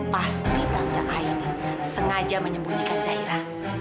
pasti tante aini sengaja menyembunyikan zahira